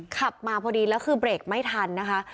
ขับมาพอดีแล้วคือเบรกไม่ทันนะคะ